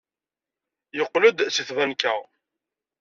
Yeqqel-d seg tbanka.